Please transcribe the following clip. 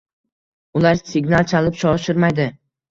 Ular signal chalib shoshirmaydi.